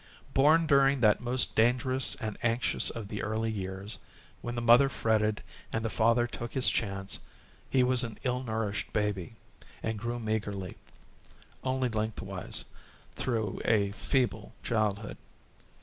Born during that most dangerous and anxious of the early years, when the mother fretted and the father took his chance, he was an ill nourished baby, and grew meagerly, only lengthwise, through a feeble childhood.